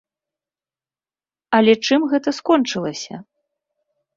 Але чым гэта скончылася?